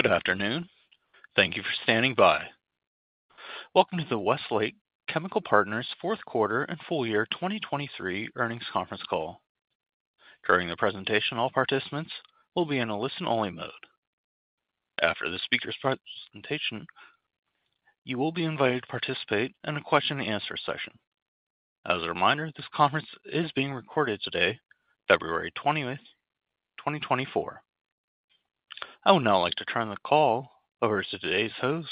Good afternoon. Thank you for standing by. Welcome to the Westlake Chemical Partners fourth quarter and full year 2023 earnings conference call. During the presentation, all participants will be in a listen-only mode. After the speaker's presentation, you will be invited to participate in a question-and-answer session. As a reminder, this conference is being recorded today, February 20th, 2024. I would now like to turn the call over to today's host,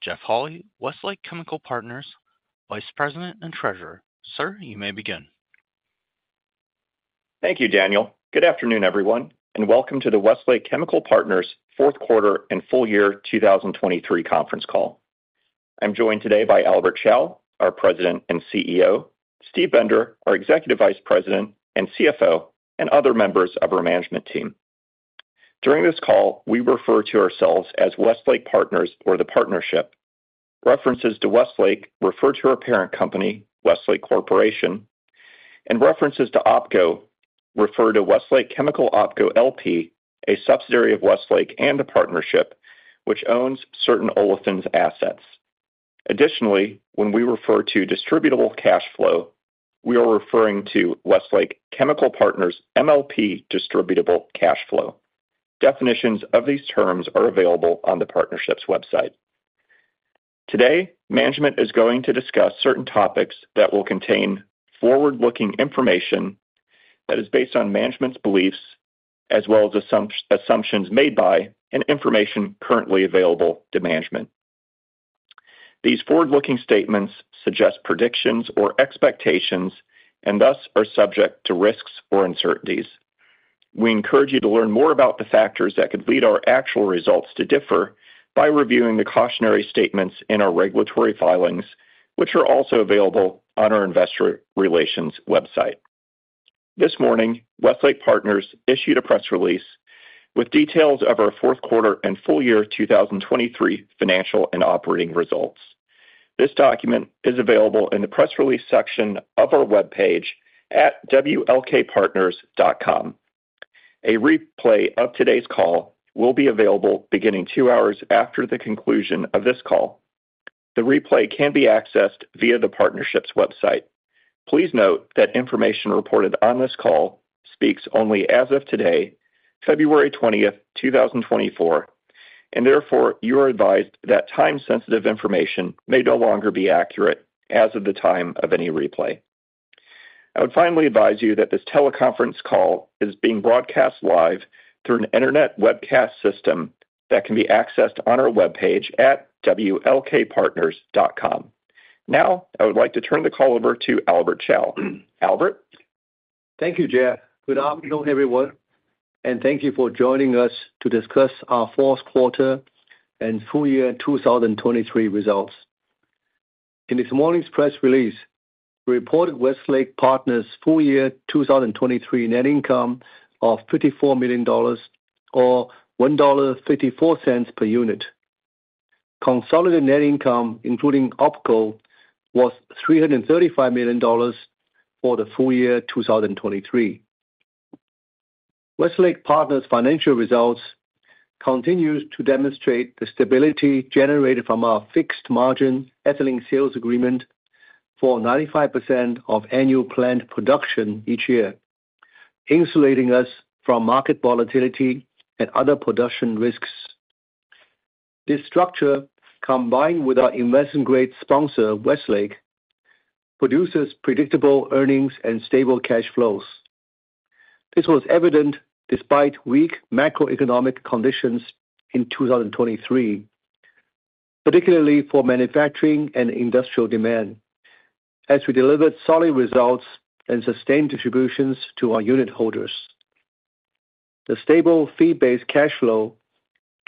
Jeff Holy, Westlake Chemical Partners, Vice President and Treasurer. Sir, you may begin. Thank you, Daniel. Good afternoon, everyone, and welcome to the Westlake Chemical Partners fourth quarter and full year 2023 conference call. I'm joined today by Albert Chao, our President and CEO, Steve Bender, our Executive Vice President and CFO, and other members of our management team. During this call, we refer to ourselves as Westlake Partners or the Partnership. References to Westlake refer to our parent company, Westlake Corporation, and references to OpCo refer to Westlake Chemical OpCo LP, a subsidiary of Westlake and a partnership which owns certain olefins assets. Additionally, when we refer to distributable cash flow, we are referring to Westlake Chemical Partners MLP distributable cash flow. Definitions of these terms are available on the partnership's website. Today, management is going to discuss certain topics that will contain forward-looking information that is based on management's beliefs as well as assumptions made by and information currently available to management. These forward-looking statements suggest predictions or expectations and thus are subject to risks or uncertainties. We encourage you to learn more about the factors that could lead our actual results to differ by reviewing the cautionary statements in our regulatory filings, which are also available on our investor relations website. This morning, Westlake Partners issued a press release with details of our fourth quarter and full year 2023 financial and operating results. This document is available in the press release section of our webpage at wlkpartners.com. A replay of today's call will be available beginning two hours after the conclusion of this call. The replay can be accessed via the partnership's website. Please note that information reported on this call speaks only as of today, February 20th, 2024, and therefore you are advised that time-sensitive information may no longer be accurate as of the time of any replay. I would finally advise you that this teleconference call is being broadcast live through an internet webcast system that can be accessed on our webpage at wlkpartners.com. Now, I would like to turn the call over to Albert Chao. Albert? Thank you, Jeff. Good afternoon, everyone, and thank you for joining us to discuss our fourth quarter and full year 2023 results. In this morning's press release, we reported Westlake Partners' full year 2023 net income of $54 million or $1.54 per unit. Consolidated net income, including OpCo, was $335 million for the full year 2023. Westlake Partners' financial results continue to demonstrate the stability generated from our Fixed Margin Ethylene Sales Agreement for 95% of annual plant production each year, insulating us from market volatility and other production risks. This structure, combined with our investment-grade sponsor, Westlake, produces predictable earnings and stable cash flows. This was evident despite weak macroeconomic conditions in 2023, particularly for manufacturing and industrial demand, as we delivered solid results and sustained distributions to our unit holders. The stable fee-based cash flow,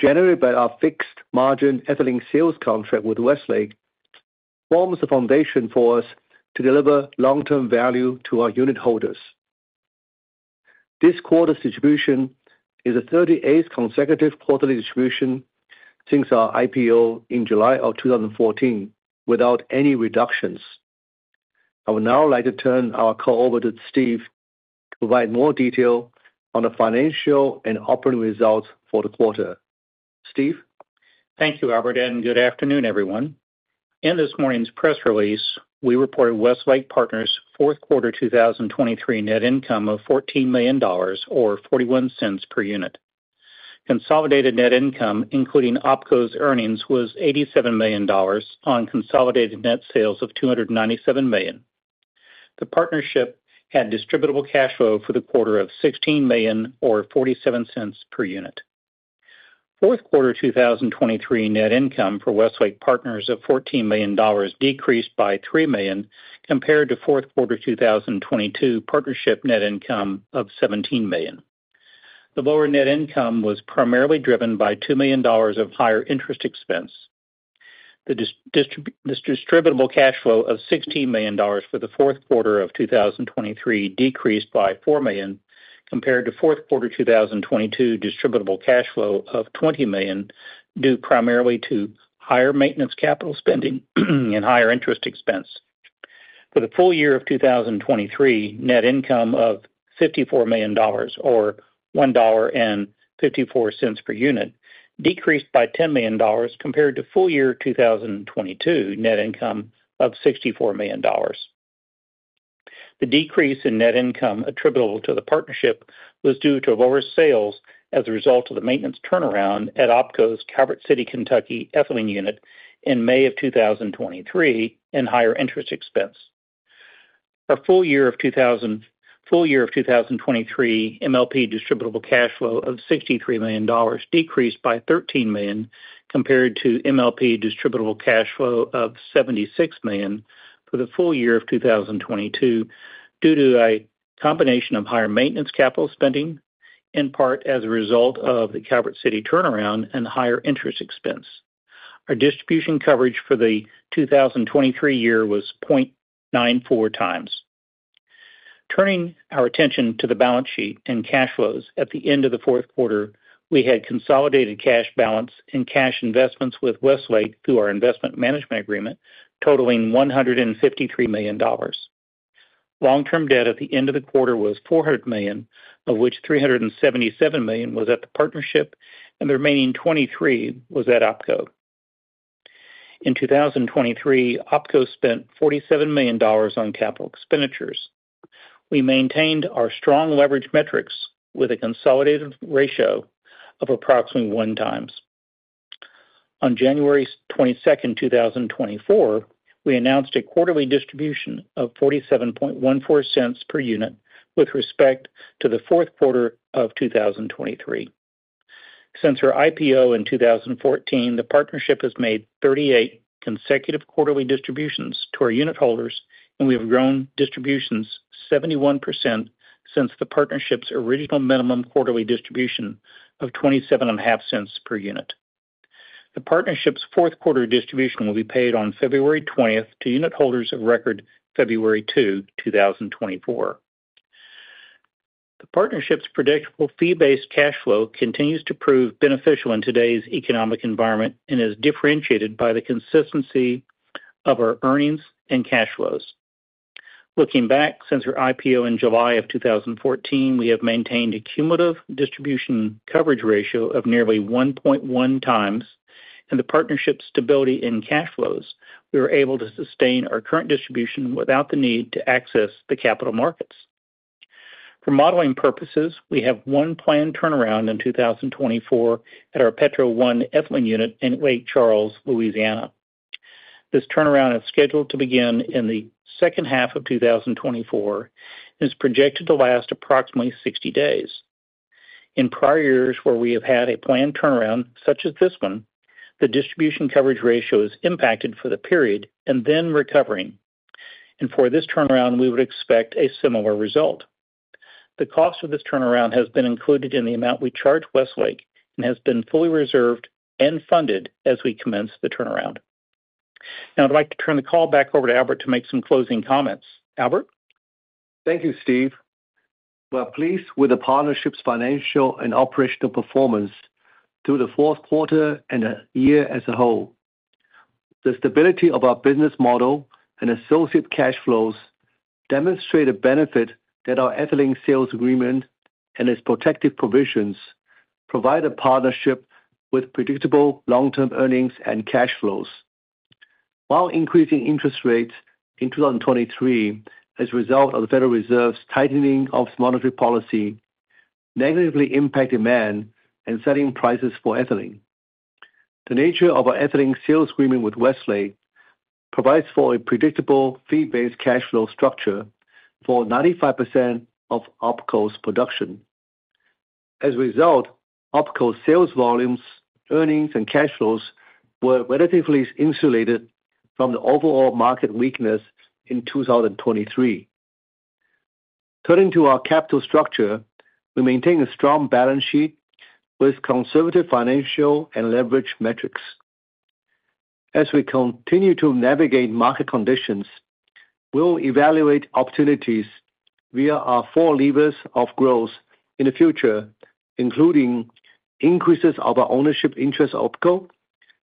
generated by our fixed margin ethylene sales contract with Westlake, forms the foundation for us to deliver long-term value to our unit holders. This quarter's distribution is the 38th consecutive quarterly distribution since our IPO in July of 2014, without any reductions. I would now like to turn our call over to Steve to provide more detail on the financial and operating results for the quarter. Steve? Thank you, Albert, and good afternoon, everyone. In this morning's press release, we reported Westlake Partners' fourth quarter 2023 net income of $14 million, or $0.41 per unit. Consolidated net income, including OpCo's earnings, was $87 million on consolidated net sales of $297 million. The partnership had distributable cash flow for the quarter of $16 million or $0.47 per unit. Fourth quarter 2023 net income for Westlake Partners of $14 million decreased by $3 million compared to fourth quarter 2022 partnership net income of $17 million. The lower net income was primarily driven by $2 million of higher interest expense. The distributable cash flow of $16 million for the fourth quarter of 2023 decreased by $4 million compared to fourth quarter 2022 distributable cash flow of $20 million, due primarily to higher maintenance, capital spending, and higher interest expense. For the full year of 2023, net income of $54 million, or $1.54 per unit, decreased by $10 million compared to full year 2022 net income of $64 million. The decrease in net income attributable to the partnership was due to lower sales as a result of the maintenance turnaround at OpCo's Calvert City, Kentucky, ethylene unit in May of 2023 and higher interest expense. Our full year of 2023 MLP distributable cash flow of $63 million decreased by $13 million, compared to MLP distributable cash flow of $76 million for the full year of 2022, due to a combination of higher maintenance capital spending, in part as a result of the Calvert City turnaround and higher interest expense. Our distribution coverage for the 2023 year was 0.94x. Turning our attention to the balance sheet and cash flows. At the end of the fourth quarter, we had consolidated cash balance and cash investments with Westlake through our investment management agreement, totaling $153 million. Long-term debt at the end of the quarter was $400 million, of which $377 million was at the partnership, and the remaining $23 million was at OpCo. In 2023, OpCo spent $47 million on capital expenditures. We maintained our strong leverage metrics with a consolidated ratio of approximately 1x. On January 22nd, 2024, we announced a quarterly distribution of $0.4714 per unit with respect to the fourth quarter of 2023. Since our IPO in 2014, the partnership has made 38 consecutive quarterly distributions to our unit holders, and we have grown distributions 71% since the partnership's original minimum quarterly distribution of $0.275 per unit. The partnership's fourth quarter distribution will be paid on February 20th to unit holders of record February 2, 2024. The partnership's predictable fee-based cash flow continues to prove beneficial in today's economic environment and is differentiated by the consistency of our earnings and cash flows. Looking back, since our IPO in July of 2014, we have maintained a cumulative distribution coverage ratio of nearly 1.1x, and the partnership's stability in cash flows, we were able to sustain our current distribution without the need to access the capital markets. For modeling purposes, we have one planned turnaround in 2024 at our Petro 1 ethylene unit in Lake Charles, Louisiana. This turnaround is scheduled to begin in the second half of 2024 and is projected to last approximately 60 days. In prior years, where we have had a planned turnaround such as this one, the distribution coverage ratio is impacted for the period and then recovering. For this turnaround, we would expect a similar result. The cost of this turnaround has been included in the amount we charge Westlake and has been fully reserved and funded as we commence the turnaround. Now, I'd like to turn the call back over to Albert to make some closing comments. Albert? Thank you, Steve. We're pleased with the partnership's financial and operational performance through the fourth quarter and the year as a whole. The stability of our business model and associated cash flows demonstrate a benefit that our ethylene sales agreement and its protective provisions provide a partnership with predictable long-term earnings and cash flows. While increasing interest rates in 2023, as a result of the Federal Reserve's tightening of monetary policy, negatively impacted demand and selling prices for ethylene. The nature of our ethylene sales agreement with Westlake provides for a predictable fee-based cash flow structure for 95% of OpCo's production. As a result, OpCo's sales volumes, earnings and cash flows were relatively insulated from the overall market weakness in 2023. Turning to our capital structure, we maintain a strong balance sheet with conservative financial and leverage metrics. As we continue to navigate market conditions, we'll evaluate opportunities via our four levers of growth in the future, including increases of our ownership interest in OpCo,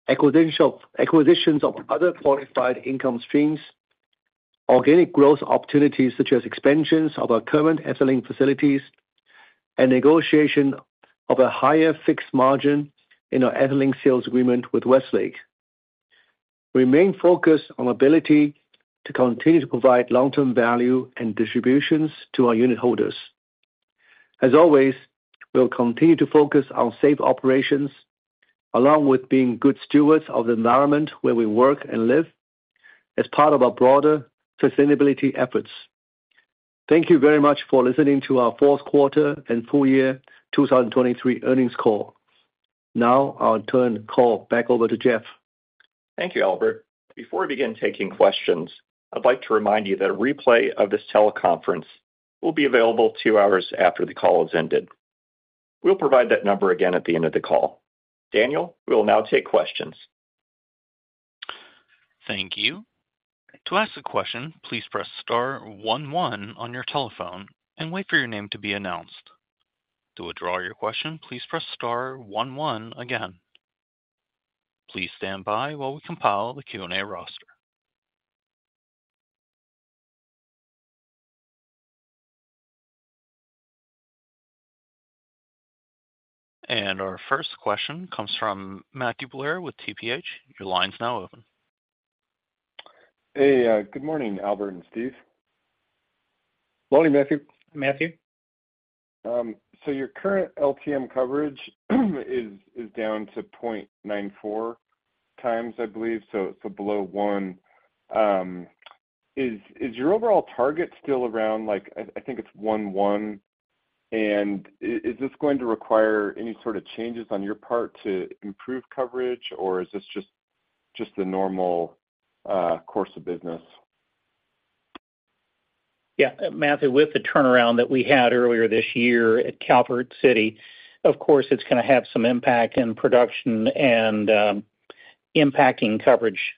acquisition, acquisitions of other qualified income streams, organic growth opportunities such as expansions of our current ethylene facilities, and negotiation of a higher fixed margin in our ethylene sales agreement with Westlake. We remain focused on ability to continue to provide long-term value and distributions to our unit holders. As always, we'll continue to focus on safe operations, along with being good stewards of the environment where we work and live as part of our broader sustainability efforts. Thank you very much for listening to our fourth quarter and full year 2023 earnings call. Now, I'll turn the call back over to Jeff. Thank you, Albert. Before we begin taking questions, I'd like to remind you that a replay of this teleconference will be available two hours after the call has ended. We'll provide that number again at the end of the call. Daniel, we will now take questions. Thank you. To ask a question, please press star one one on your telephone and wait for your name to be announced. To withdraw your question, please press star one one again. Please stand by while we compile the Q&A roster. Our first question comes from Matthew Blair with TPH. Your line's now open. Hey, good morning, Albert and Steve. Morning, Matthew. Matthew. So your current LTM coverage is down to 0.94x, I believe, so below one. Is your overall target still around, like, I think it's 1.1x, and is this going to require any sort of changes on your part to improve coverage, or is this just the normal course of business? Yeah, Matthew, with the turnaround that we had earlier this year at Calvert City, of course, it's gonna have some impact in production and, impacting coverage.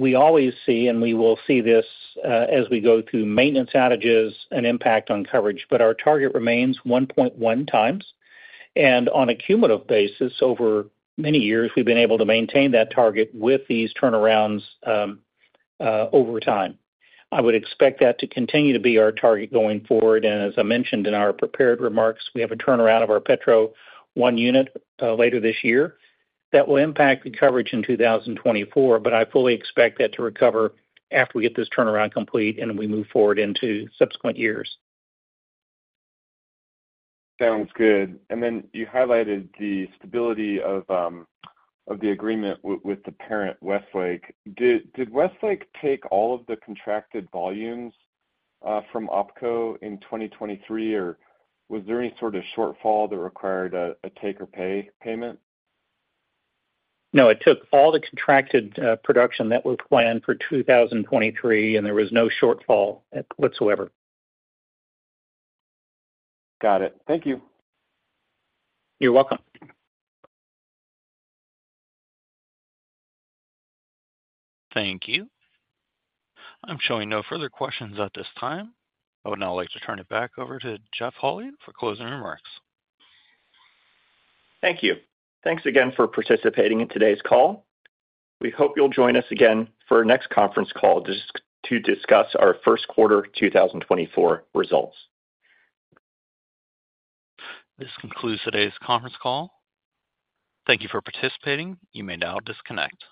We always see, and we will see this, as we go through maintenance outages and impact on coverage, but our target remains 1.1 times. On a cumulative basis, over many years, we've been able to maintain that target with these turnarounds, over time. I would expect that to continue to be our target going forward, and as I mentioned in our prepared remarks, we have a turnaround of our Petro 1 unit, later this year. That will impact the coverage in 2024, but I fully expect that to recover after we get this turnaround complete, and we move forward into subsequent years. Sounds good. And then you highlighted the stability of the agreement with the parent, Westlake. Did Westlake take all of the contracted volumes from OpCo in 2023, or was there any sort of shortfall that required a take-or-pay payment? No, it took all the contracted production that was planned for 2023, and there was no shortfall whatsoever. Got it. Thank you. You're welcome. Thank you. I'm showing no further questions at this time. I would now like to turn it back over to Jeff Holy for closing remarks. Thank you. Thanks again for participating in today's call. We hope you'll join us again for our next conference call, to discuss our first quarter 2024 results. This concludes today's conference call. Thank you for participating. You may now disconnect.